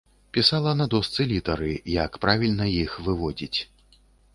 Пісала на дошцы літары, як правільна іх выводзіць.